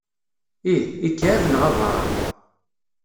Ih, ikɛeb neɣ abaṛeɣ.